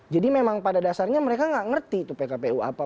jadi memang pada dasarnya mereka nggak ngerti itu pkpu apa